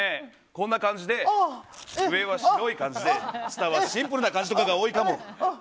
こんな感じで上は白い感じで下はシンプルな感じとかが多いかも。